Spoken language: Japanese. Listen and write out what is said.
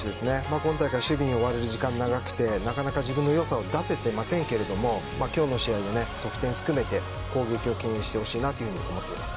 今大会守備に追われる時間が長くて自分の良さを出せていませんが今日の試合で得点を含めて攻撃をけん引してほしいと思います。